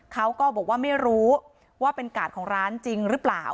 เขาก็บอกว่าไม่รู้ว่าเป็นกาดของร้านจริงหรือเปล่า